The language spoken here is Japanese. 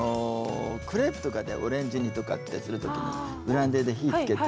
クレープとかでオレンジ煮とかってする時にブランデーで火つけて。